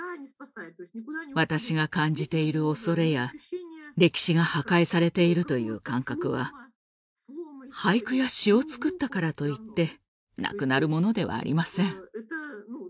私が感じている恐れや歴史が破壊されているという感覚は俳句や詩を作ったからといってなくなるものではありません。